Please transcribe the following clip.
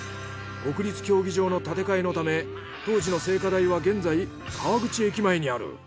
国立競技場の建て替えのため当時の聖火台は現在川口駅前にある。